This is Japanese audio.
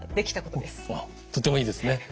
とってもいいですね。